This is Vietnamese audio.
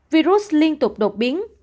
virus liên tục đột biến